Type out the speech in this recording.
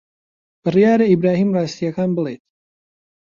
بڕیارە ئیبراهیم ڕاستییەکان بڵێت.